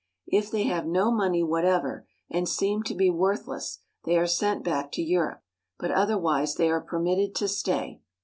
If they have no money whatever, and seem to be worthless, they are sent back to Europe ; but otherwise they are permitted to stay.